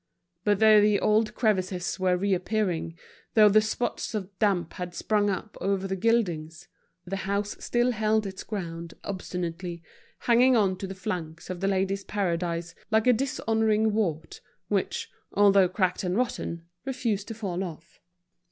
But though the old crevices were reappearing, though the spots of damp had sprung up over the gildings, the house still held its ground obstinately, hanging on to the flanks of The Ladies' Paradise like a dishonouring wart, which, although cracked and rotten, refused to fall off.